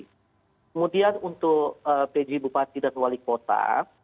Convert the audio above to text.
kemudian untuk pj bupati dan wali kota